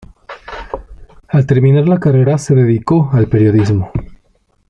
Al terminar la carrera se dedica al periodismo.